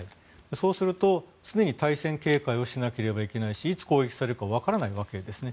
そうすると、常に対潜警戒をしなければならないしいつ攻撃されるかわからないわけですね。